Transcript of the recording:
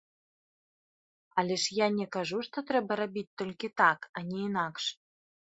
Але ж я не кажу, што трэба рабіць толькі так, а не інакш!